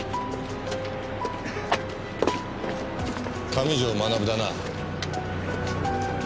上条学だな？